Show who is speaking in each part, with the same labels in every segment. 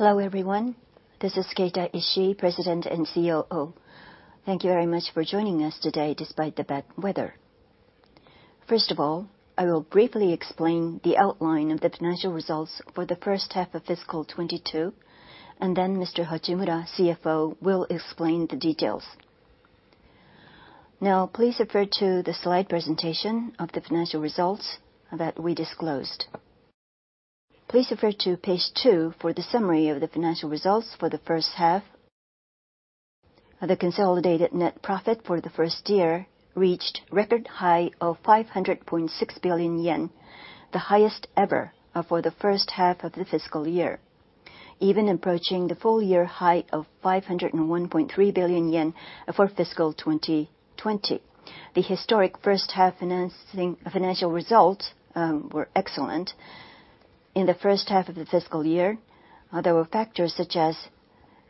Speaker 1: Hello, everyone. This is Keita Ishii, President and COO. Thank you very much for joining us today despite the bad weather. First of all, I will briefly explain the outline of the financial results for the first half of fiscal 2022, and then Mr. Hachimura, CFO, will explain the details. Now please refer to the slide presentation of the financial results that we disclosed. Please refer to page two for the summary of the financial results for the first half. The consolidated net profit for the first year reached record high of 500.6 billion yen, the highest ever for the first half of the fiscal year, even approaching the full year high of 501.3 billion yen for fiscal 2020. The historic first half financial results were excellent. In the first half of the fiscal year, there were factors such as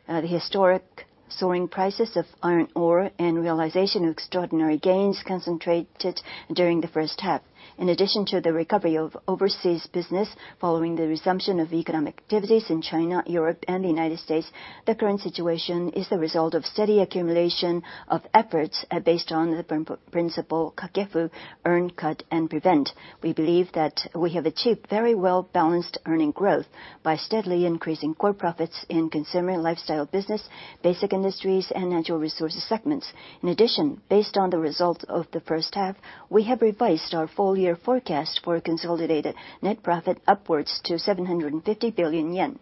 Speaker 1: the historic soaring prices of iron ore and realization of extraordinary gains concentrated during the first half. In addition to the recovery of overseas business following the resumption of economic activities in China, Europe, and the United States, the current situation is the result of steady accumulation of efforts based on the principle, Kasegu, earn, cut, and prevent. We believe that we have achieved very well-balanced earnings growth by steadily increasing core profits in consumer and lifestyle business, basic industries, and natural resources segments. In addition, based on the results of the first half, we have revised our full year forecast for consolidated net profit upwards to 750 billion yen.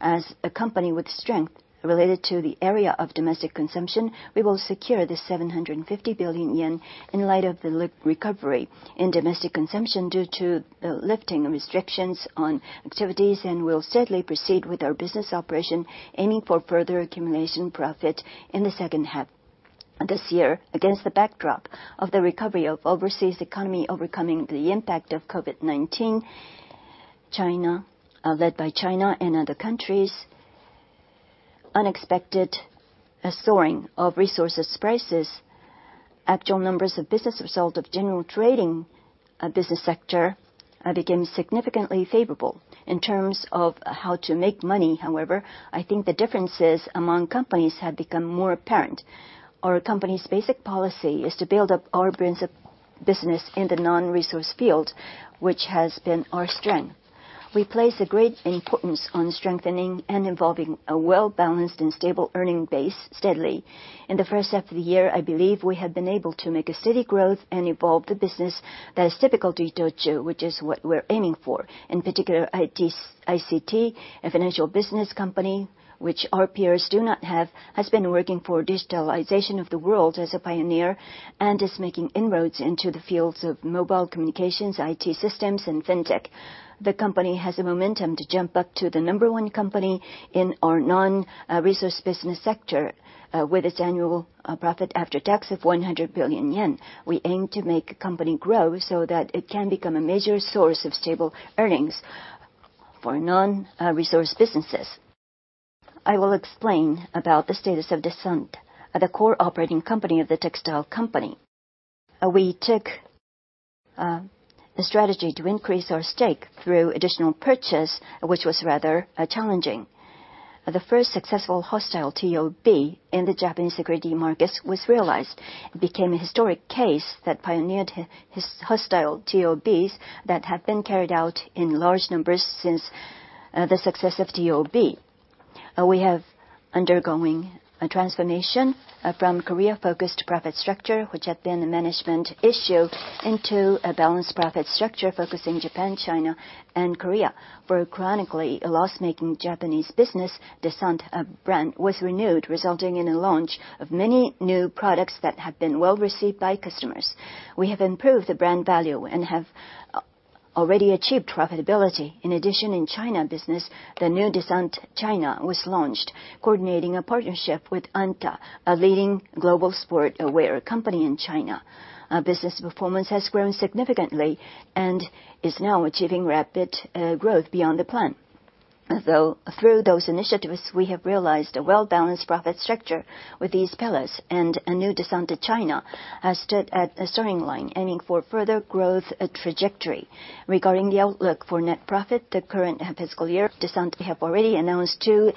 Speaker 1: As a company with strength related to the area of domestic consumption, we will secure 750 billion yen in light of the recovery in domestic consumption due to the lifting of restrictions on activities and will steadily proceed with our business operation aiming for further accumulation profit in the second half. This year, against the backdrop of the recovery of overseas economy overcoming the impact of COVID-19, China, led by China and other countries, unexpected, soaring of resources prices, actual numbers of business result of general trading, business sector, became significantly favorable. In terms of how to make money, however, I think the differences among companies have become more apparent. Our company's basic policy is to build up our business in the non-resource field, which has been our strength. We place a great importance on strengthening and involving a well-balanced and stable earning base steadily. In the first half of the year, I believe we have been able to make a steady growth and evolve the business that is typical to ITOCHU, which is what we're aiming for. In particular, ICT, a financial business company which our peers do not have, has been working for digitalization of the world as a pioneer and is making inroads into the fields of mobile communications, IT systems, and fintech. The company has the momentum to jump up to the number one company in our non-resource business sector with its annual profit after tax of 100 billion yen. We aim to make company grow so that it can become a major source of stable earnings for non-resource businesses. I will explain about the status of Descente, the core operating company of the textile company. We took a strategy to increase our stake through additional purchase, which was rather challenging. The first successful hostile TOB in the Japanese securities markets was realized. It became a historic case that pioneered hostile TOBs that have been carried out in large numbers since the success of TOB. We are undergoing a transformation from Korea-focused profit structure, which had been a management issue, into a balanced profit structure focusing Japan, China, and Korea. For a chronically loss-making Japanese business, Descente brand was renewed, resulting in a launch of many new products that have been well-received by customers. We have improved the brand value and have already achieved profitability. In addition, in China business, the new Descente China was launched, coordinating a partnership with Anta, a leading global sportswear company in China. Business performance has grown significantly and is now achieving rapid growth beyond the plan. Through those initiatives, we have realized a well-balanced profit structure with these pillars, and a new Descente China has stood at the starting line, aiming for further growth trajectory. Regarding the outlook for net profit, the current fiscal year, Descente have already announced two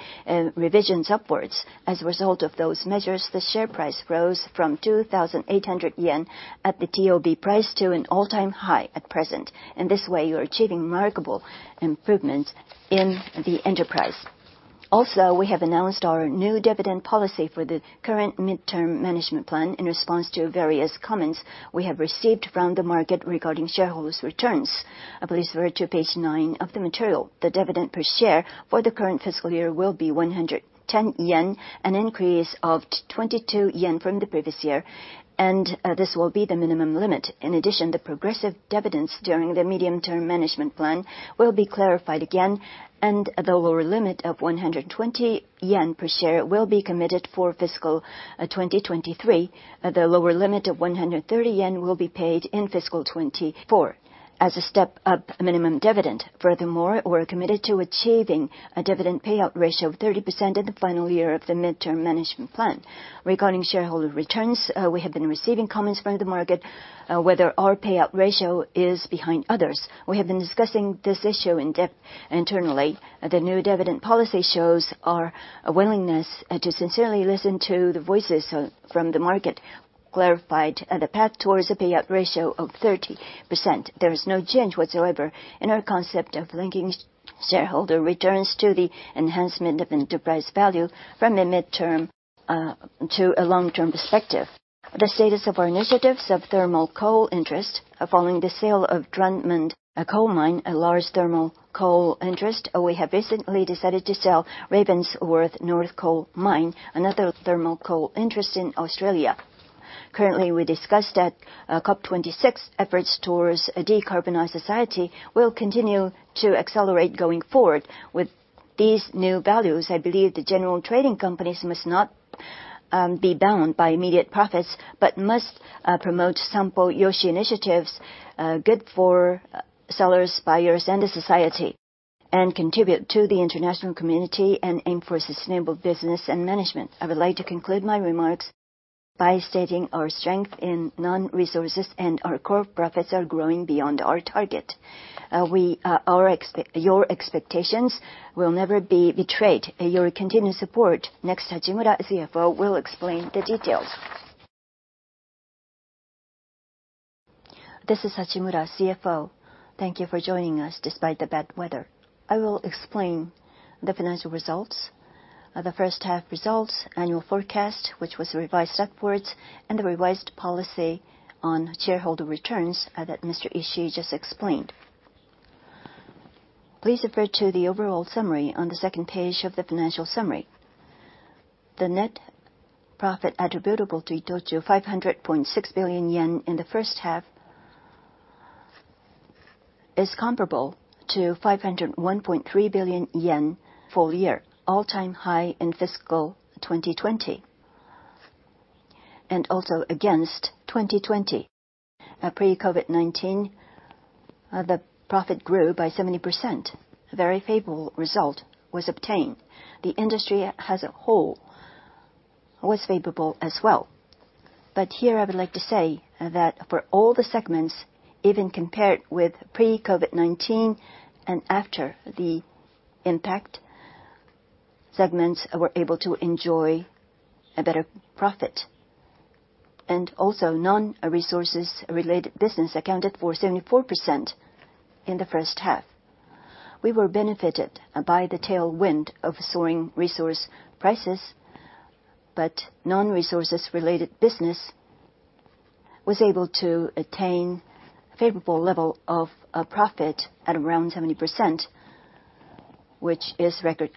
Speaker 1: revisions upwards. As a result of those measures, the share price rose from 2,800 yen at the TOB price to an all-time high at present. In this way, we are achieving remarkable improvements in the enterprise. Also, we have announced our new dividend policy for the current midterm management plan in response to various comments we have received from the market regarding shareholders' returns. Please refer to page nine of the material. The dividend per share for the current fiscal year will be 110 yen, an increase of 22 yen from the previous year. This will be the minimum limit. In addition, the progressive dividends during the medium-term management plan will be clarified again, and the lower limit of 120 yen per share will be committed for fiscal 2023. The lower limit of 130 yen will be paid in fiscal 2024 as a step up minimum dividend. Furthermore, we're committed to achieving a dividend payout ratio of 30% in the final year of the midterm management plan. Regarding shareholder returns, we have been receiving comments from the market whether our payout ratio is behind others. We have been discussing this issue in depth internally. The new dividend policy shows our willingness to sincerely listen to the voices from the market. We clarified the path towards a payout ratio of 30%. There is no change whatsoever in our concept of linking shareholder returns to the enhancement of enterprise value from a midterm to a long-term perspective. Regarding the status of our initiatives of thermal coal interest following the sale of Drummond Coal Mine, a large thermal coal interest, we have recently decided to sell Ravensworth North Coal Mine, another thermal coal interest in Australia. Currently, efforts discussed at COP26 towards a decarbonized society will continue to accelerate going forward. With these new values, I believe the general trading companies must not be bound by immediate profits, but must promote Sampo-yoshi initiatives good for sellers, buyers, and the society, and contribute to the international community and aim for sustainable business and management. I would like to conclude my remarks by stating our strength in non-resources, and our core profits are growing beyond our target. Your expectations will never be betrayed. Thank you for your continued support. Next, Hachimura, CFO, will explain the details.
Speaker 2: This is Hachimura, CFO. Thank you for joining us despite the bad weather. I will explain the financial results, the first half results, annual forecast, which was revised upwards, and the revised policy on shareholder returns that Mr. Ishii just explained. Please refer to the overall summary on the second page of the financial summary. The net profit attributable to ITOCHU, 500.6 billion yen in the first half, is comparable to 501.3 billion yen full year, all-time high in fiscal 2020. Also against 2020, pre-COVID-19, the profit grew by 70%. A very favorable result was obtained. The industry as a whole was favorable as well. Here I would like to say that for all the segments, even compared with pre-COVID-19 and after the impact, segments were able to enjoy a better profit. Also non-resources related business accounted for 74% in the first half. We were benefited by the tailwind of soaring resource prices, but non-resources related business was able to attain favorable level of, profit at around 70%, which is record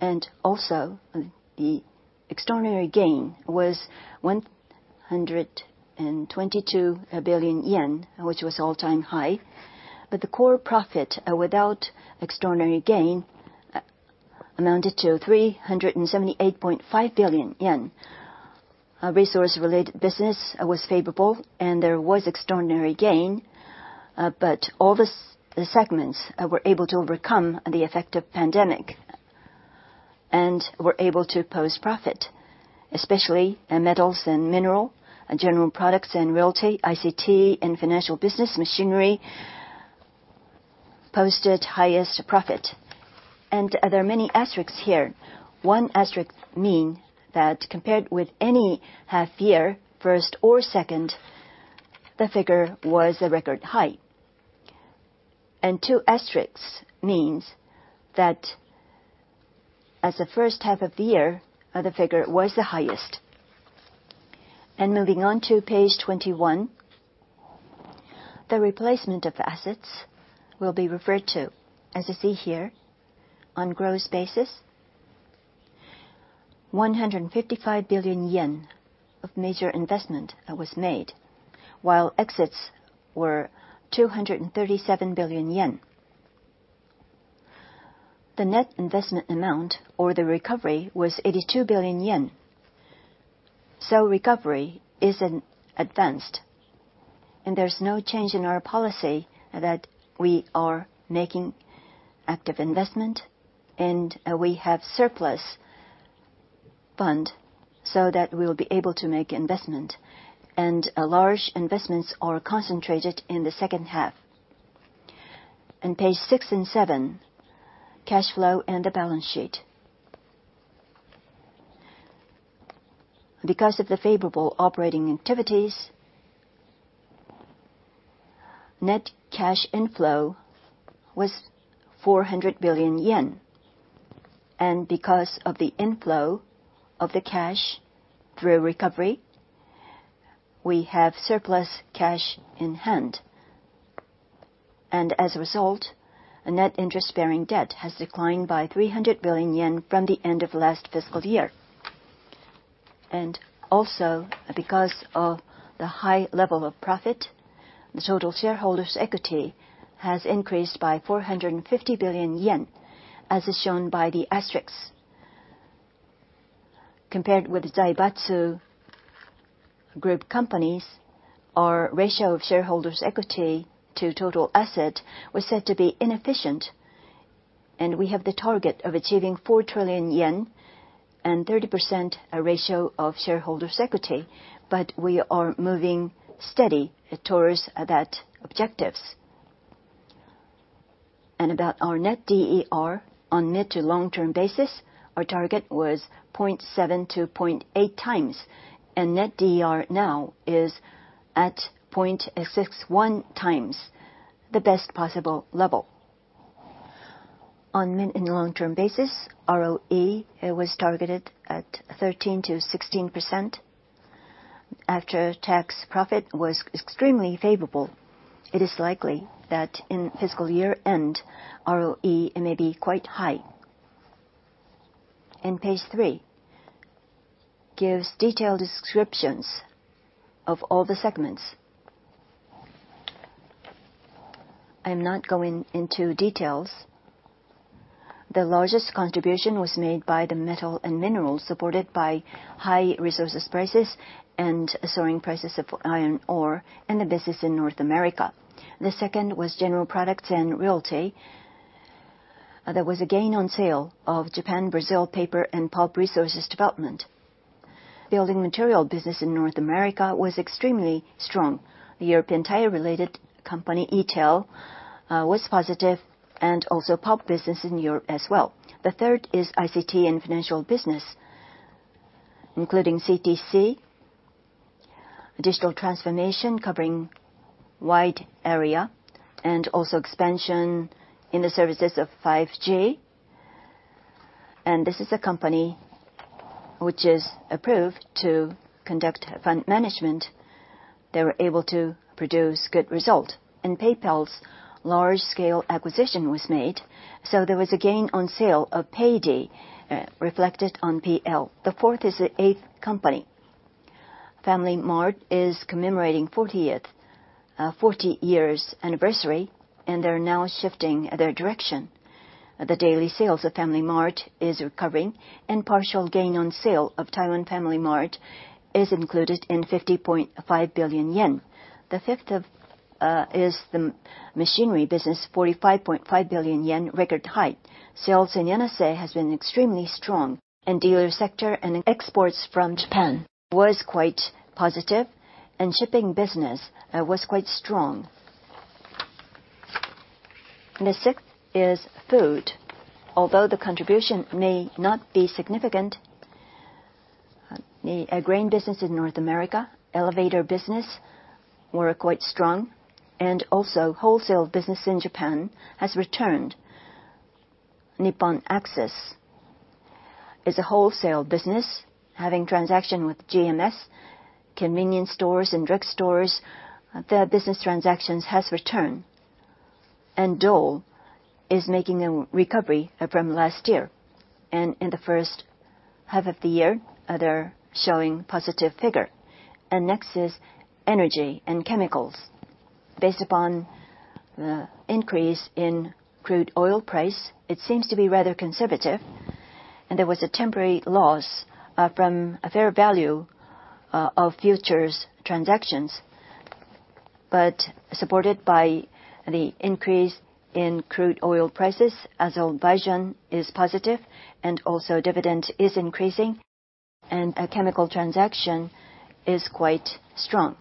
Speaker 2: high. Also, the extraordinary gain was 122 billion yen, which was all-time high. The core profit without extraordinary gain amounted to 378.5 billion yen. Resource-related business was favorable, and there was extraordinary gain, but all the segments were able to overcome the effect of pandemic and were able to post profit, especially in metals and minerals, general products and realty, ICT and financial business. Machinery posted highest profit. There are many asterisks here. One asterisk means that compared with any half year, first or second, the figure was a record high. Two asterisks means that as the first half of the year, the figure was the highest. Moving on to page 21, the replacement of assets will be referred to. As you see here, on a gross basis, 155 billion yen of major investment was made, while exits were 237 billion yen. The net investment amount or the recovery was 82 billion yen. Recovery is in advance, and there's no change in our policy that we are making active investment, and we have surplus fund so that we will be able to make investment. Large investments are concentrated in the second half. On page six and seven, cash flow and the balance sheet. Because of the favorable operating activities, net cash inflow was 400 billion yen. Because of the inflow of the cash through recovery, we have surplus cash in hand. As a result, net interest-bearing debt has declined by 300 billion yen from the end of last fiscal year. Also, because of the high level of profit, the total shareholders' equity has increased by 450 billion yen, as is shown by the asterisks. Compared with the Zaibatsu group companies, our ratio of shareholders' equity to total asset was said to be inefficient. We have the target of achieving 4 trillion yen and 30% ratio of shareholders' equity, but we are moving steady towards that objectives. About our net DER on mid to long-term basis, our target was 0.7-0.8 time, and net DER now is at 0.61 times the best possible level. On mid and long-term basis, ROE was targeted at 13%-16%. After-tax profit was extremely favorable. It is likely that in fiscal year-end, ROE may be quite high. Page three gives detailed descriptions of all the segments. I'm not going into details. The largest contribution was made by the Metals & Minerals, supported by high resource prices and soaring prices of iron ore in the business in North America. The second was General Products & Realty. There was a gain on sale of Japan Brazil Paper and Pulp Resources Development. Building material business in North America was extremely strong. The European Tyre-related company, ETEL, was positive, and also pulp business in Europe as well. The third is ICT & Financial Business, including CTC, digital transformation covering wide area, and also expansion in the services of 5G. This is a company which is approved to conduct fund management. They were able to produce good result. PayPal's large-scale acquisition was made, so there was a gain on sale of Paidy reflected on PL. The fourth is the eighth company. FamilyMart is commemorating 40th anniversary, and they're now shifting their direction. The daily sales of FamilyMart is recovering, and partial gain on sale of Taiwan FamilyMart is included in 50.5 billion yen. The fifth is the machinery business, 45.5 billion yen, record high. Sales in Yanase has been extremely strong in dealer sector, and exports from Japan was quite positive, and shipping business was quite strong. The sixth is food. Although the contribution may not be significant, the grain business in North America, elevator business, were quite strong, and also wholesale business in Japan has returned. NIPPON ACCESS is a wholesale business having transaction with GMS, convenience stores and drugstores. Their business transactions has returned. Dole is making a recovery from last year. In the first half of the year, they're showing positive figure. Next is energy and chemicals. Based upon the increase in crude oil price, it seems to be rather conservative, and there was a temporary loss from a fair value of futures transactions. Supported by the increase in crude oil prices, as our vision is positive, and also dividend is increasing, and a chemical transaction is quite strong.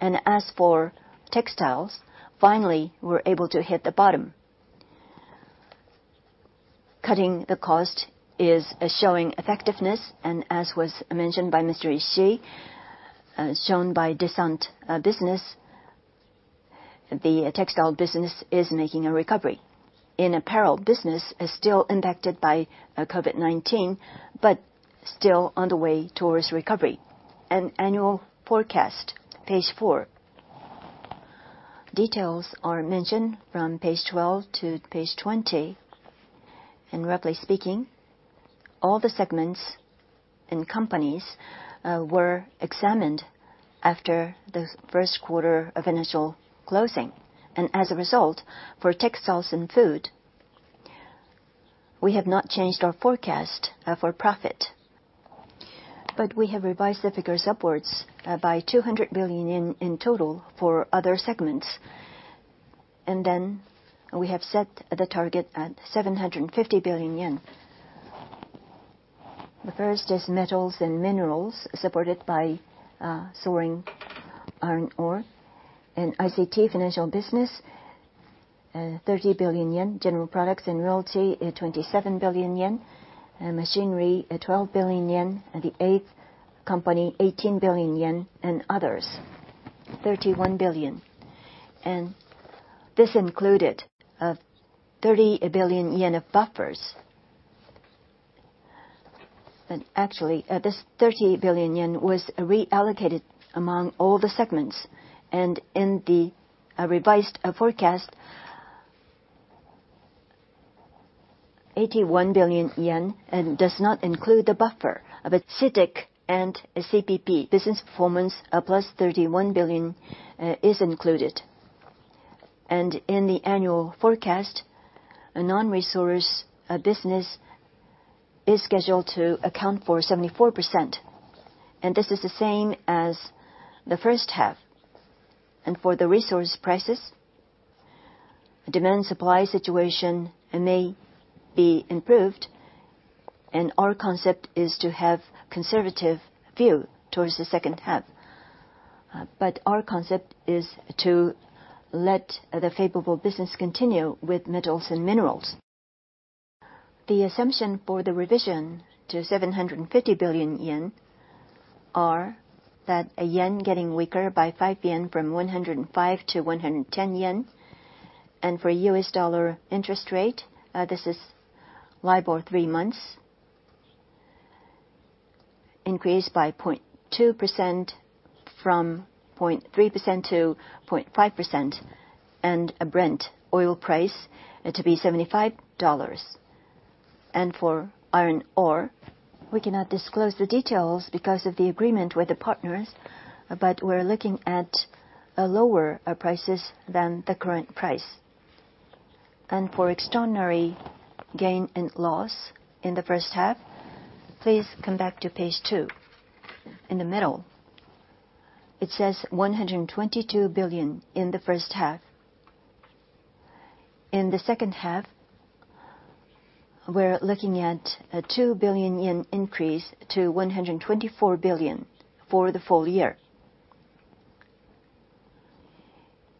Speaker 2: As for textiles, finally, we're able to hit the bottom. Cutting the cost is showing effectiveness, and as was mentioned by Mr. Ishii, shown by Descente business, the textile business is making a recovery. The apparel business is still impacted by COVID-19, but still on the way towards recovery. Annual forecast, page four. Details are mentioned from page 12 to page 20. Roughly speaking, all the segments and companies were examined after the first quarter of initial closing. As a result, for textiles and food, we have not changed our forecast for profit, but we have revised the figures upwards by 200 billion yen in total for other segments. We have set the target at 750 billion yen. The first is Metals & Minerals, supported by soaring iron ore. In ICT financial business, 30 billion yen. General Products & Realty, 27 billion yen. Machinery, 12 billion yen. The eighth company 18 billion yen, and others, 31 billion. This included 30 billion yen of buffers. Actually, this 30 billion yen was reallocated among all the segments. In the revised forecast, 81 billion yen, and does not include the buffer of CITIC and CPP business performance, 31 billion is included. In the annual forecast, a non-resource business is scheduled to account for 74%, and this is the same as the first half. For the resource prices, demand supply situation may be improved. Our concept is to have conservative view towards the second half. Our concept is to let the favorable business continue with Metals & Minerals. The assumption for the revision to 750 billion yen are that a yen getting weaker by 5 yen from 105 to 110 yen. For U.S. dollar interest rate, this is 3 Month LIBOR, increased by 0.2% from 0.3% to 0.5%. Brent oil price to be $75. For iron ore, we cannot disclose the details because of the agreement with the partners, but we're looking at lower prices than the current price. For extraordinary gain and loss in the first half, please come back to page two. In the middle, it says 122 billion in the first half. In the second half, we're looking at a 2 billion yen increase to 124 billion for the full year.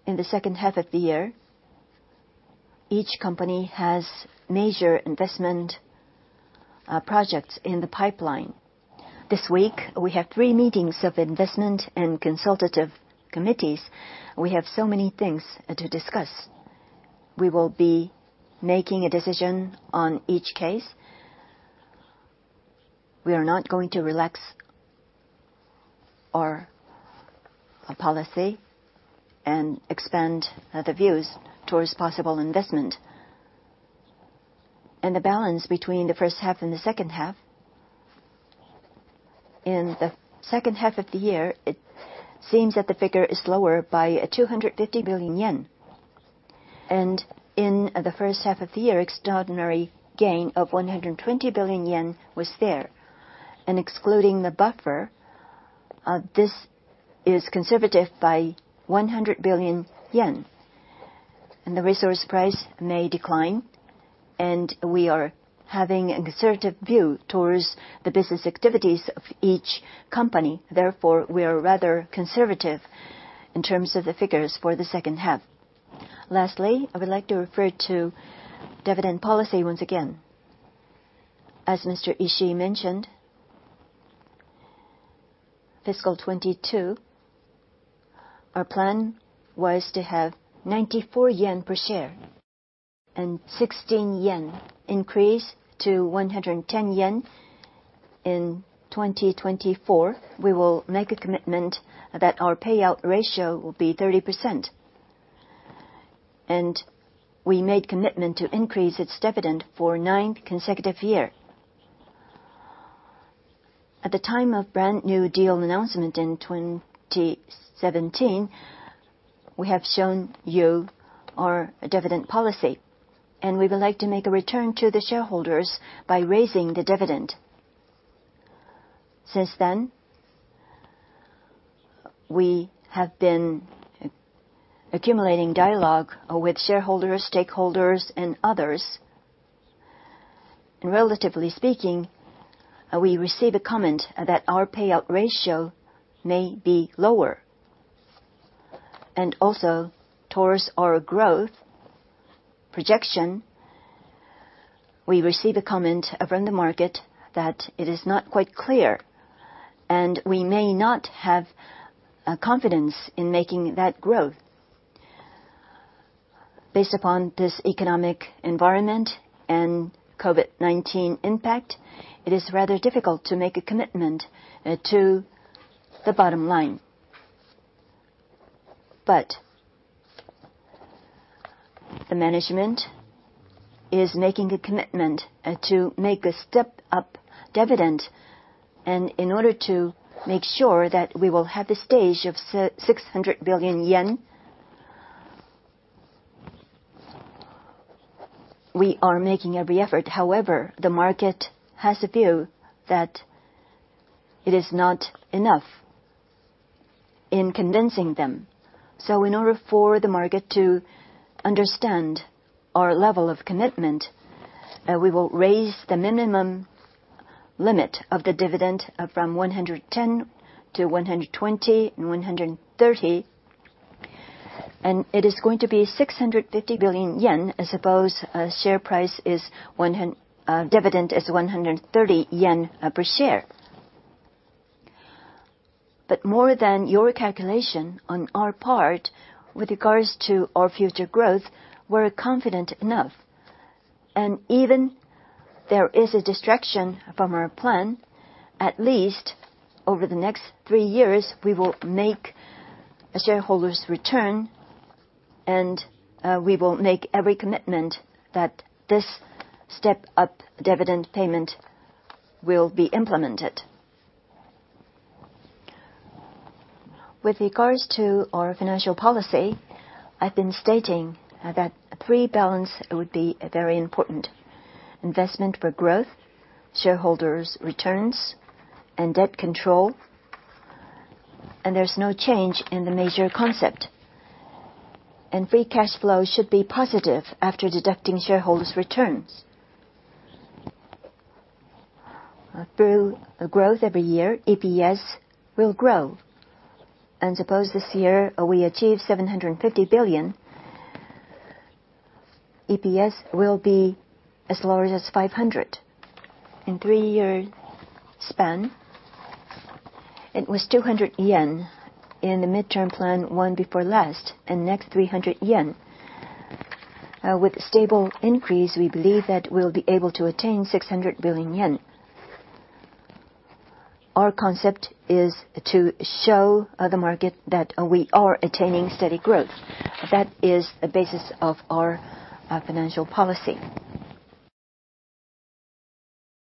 Speaker 2: In the second half of the year, each company has major investment projects in the pipeline. This week, we have three meetings of investment and consultative committees. We have so many things to discuss. We will be making a decision on each case. We are not going to relax our policy and expand the views towards possible investment. The balance between the first half and the second half, in the second half of the year, it seems that the figure is lower by 250 billion yen. In the first half of the year, extraordinary gain of 120 billion yen was there. Excluding the buffer, this is conservative by 100 billion yen. The resource price may decline, and we are having a conservative view towards the business activities of each company. Therefore, we are rather conservative in terms of the figures for the second half. Lastly, I would like to refer to dividend policy once again. As Mr. Ishii mentioned, FY 2022, our plan was to have 94 yen per share and 16 yen increase to 110 yen. In 2024, we will make a commitment that our payout ratio will be 30%. We made commitment to increase its dividend for nine consecutive years. At the time of Brand-new Deal announcement in 2017, we have shown you our dividend policy, and we would like to make a return to the shareholders by raising the dividend. Since then, we have been accumulating dialogue with shareholders, stakeholders, and others. Relatively speaking, we receive a comment that our payout ratio may be lower. Also, towards our growth projection, we receive a comment from the market that it is not quite clear, and we may not have confidence in making that growth. Based upon this economic environment and COVID-19 impact, it is rather difficult to make a commitment to the bottom line. The management is making a commitment to make a step up dividend. In order to make sure that we will have the stage of 600 billion yen, we are making every effort. However, the market has a view that it is not enough in convincing them. In order for the market to understand our level of commitment, we will raise the minimum limit of the dividend from 110 to 120 and 130. It is going to be 650 billion yen, I suppose, dividend is 130 yen per share. More than your calculation on our part with regards to our future growth, we're confident enough. Even there is a distraction from our plan, at least over the next three years, we will make a shareholders return, and we will make every commitment that this step up dividend payment will be implemented. With regards to our financial policy, I've been stating that three balances would be very important. Investment for growth, shareholders returns, and debt control. There's no change in the major concept. Free cash flow should be positive after deducting shareholders returns. Through growth every year, EPS will grow. Suppose this year we achieve 750 billion, EPS will be as low as 500. In 3-year span, it was 200 yen in the midterm plan one before last and next 300 yen. With stable increase, we believe that we'll be able to attain 600 billion yen. Our concept is to show the market that we are attaining steady growth. That is the basis of our financial policy.